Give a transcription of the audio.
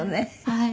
はい。